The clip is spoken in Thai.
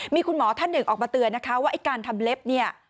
มีคุณหมอท่านหนึ่งออกมาเตือนนะคะว่าไอ้การทำเล็บเนี่ย